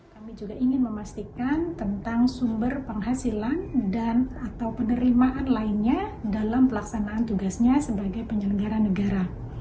kami juga ingin memastikan tentang sumber penghasilan dan atau penerimaan lainnya dalam pelaksanaan tugasnya sebagai penyelenggara negara